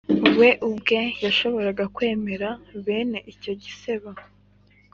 we ubwe yashoboraga kwemera bene icyo gisebo?